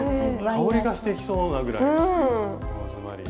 香りがしてきそうなぐらいローズマリー。